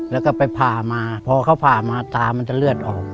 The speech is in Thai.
แล้วก็ไปผ่ามาพอเขาผ่ามาตามันจะเลือดออก